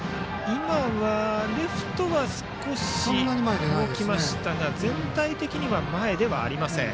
レフトは少し動きましたが全体的には前ではありません。